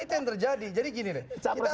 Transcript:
itu yang terjadi jadi gini deh kita